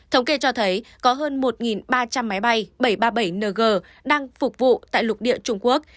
thống kê cho thấy có hơn một ba trăm linh máy bay bảy trăm ba mươi bảy ng đang phục vụ tại lục địa trung quốc